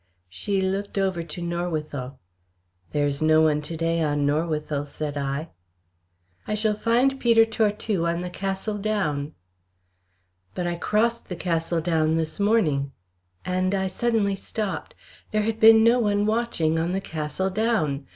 She looked over to Norwithel. "There is no one to day on Norwithel," said I. "I shall find Peter Tortue on the Castle Down." "But I crossed the Castle Down this morning " and I suddenly stopped. There had been no one watching on the Castle Down.